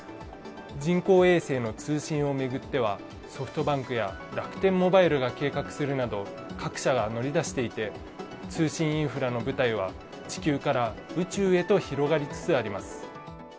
人工衛星の通信を巡っては、ソフトバンクや楽天モバイルが計画するなど各社が乗り出していて、通信インフラの舞台は地球から宇宙へと広がりつつあります。